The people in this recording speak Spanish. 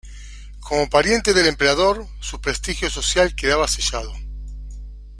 Como pariente del emperador, su prestigio social quedaba sellado.